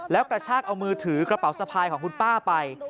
แล้วกระชากเอามือถือกระเป๋าสะพายของคุณป้าไป